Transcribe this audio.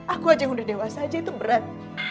aku aja yang udah dewasa aja itu berat